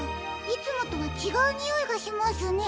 いつもとはちがうにおいがしますね。